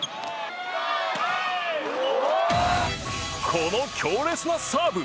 この強烈なサーブ。